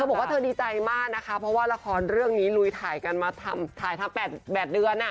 บอกว่าเธอดีใจมากนะคะเพราะว่าละครเรื่องนี้ลุยถ่ายกันมาถ่ายทำ๘เดือน